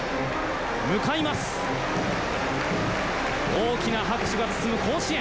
大きな拍手が包む甲子園。